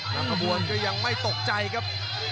กระบวนก็ยังไม่ตกใจครับ